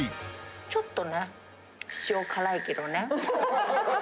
ちょっとね、塩辛いけどね。